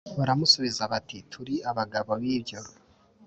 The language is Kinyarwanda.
Baramusubiza bati “ Turi abagabo b’ibyo”